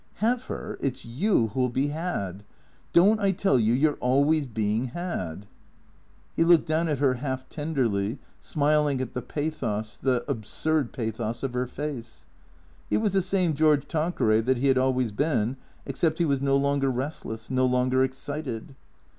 "Have her? It's you who'll be had. Don't I tell you you 're always being had ?" He looked down at her half tenderl}^ smiling at the pathos, the absurd pathos of her face. He was the same George Tan queray that he had always been, except he was no longer rest less, no longer excited.